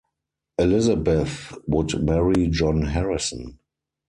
Elizabeth would marry John Harrison.